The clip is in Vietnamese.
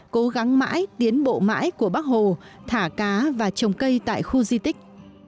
cố gắng mãi tiến bộ mãi của bác hồ thả cá và trồng cây tại khu di tích